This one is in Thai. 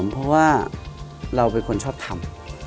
เพราะว่าเราเป็นคนชอบทำ